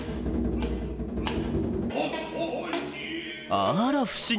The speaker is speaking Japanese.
あら不思議！